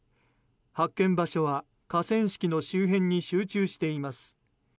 発見場所は河川敷の周辺に集中しています。